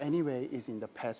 di mana mana pun